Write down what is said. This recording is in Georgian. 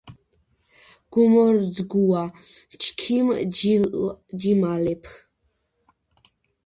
გუმორძგუა! ჩქიმ ჯიმალეფ